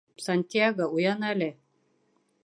— Сантьяго, уян әле!